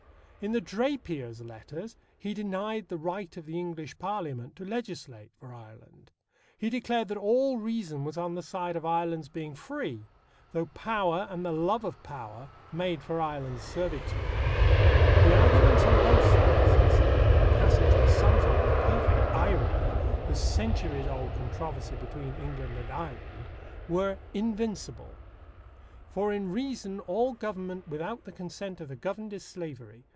In the Drapier's Letters he denied the right of the English Parliament to legislate for Ireland. He declared that all reason was on the side of Ireland's being free, though power and the love of power made for Ireland's servitude. "The arguments on both sides," he said in a passage which sums up with perfect irony the centuries old controversy between England and Ireland, were "invincible": For in reason all government without the consent of the governed is slavery.